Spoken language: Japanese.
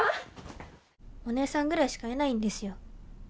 おねえさんぐらいしかいないんですよ